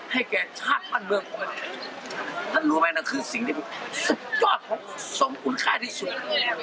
แก่ชาติบ้านเมืองไทยท่านรู้ไหมนั่นคือสิ่งที่สุดยอดของสมคุณค่าที่สุด